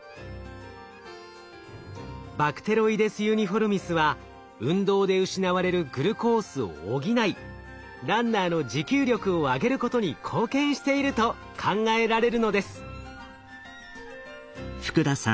バクテロイデス・ユニフォルミスは運動で失われるグルコースを補いランナーの持久力を上げることに貢献していると考えられるのです。